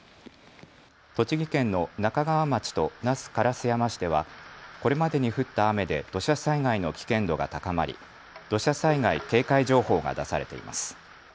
栃木県の那珂川町と那須烏山市ではこれまでに降った雨で土砂災害の危険度が高まり土砂災害警戒情報が出されています。